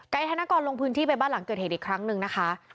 ธนกรลงพื้นที่ไปบ้านหลังเกิดเหตุอีกครั้งหนึ่งนะคะ